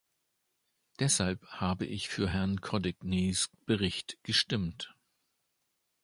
Deshalb habe ich für Herrn Cottignys Bericht gestimmt.